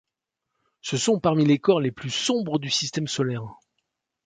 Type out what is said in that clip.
Ce sont parmi les corps les plus sombres du système solaire.